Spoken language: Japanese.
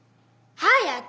早く！